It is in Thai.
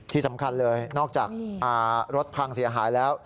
ที่สำคัญเลยนอกจากรถพังเสียหายแล้ว